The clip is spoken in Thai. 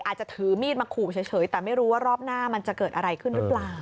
อาจจะถือมีดมาขู่เฉยแต่ไม่รู้ว่ารอบหน้ามันจะเกิดอะไรขึ้นหรือเปล่า